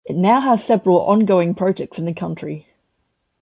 It now has several ongoing projects in the country.